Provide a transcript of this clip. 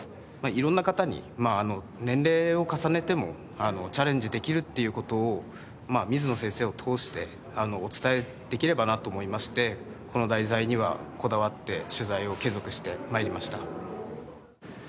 色んな方に年齢を重ねてもチャレンジできるっていう事を水野先生を通してお伝えできればなと思いましてこの題材にはこだわって取材を継続して参りました。